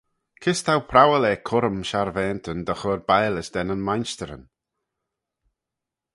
Kys t'ou prowal eh currym sharvaantyn dy chur biallys da nyn mainshtyryn?